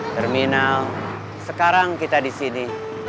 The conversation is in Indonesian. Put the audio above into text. terminal sekarang kita di sini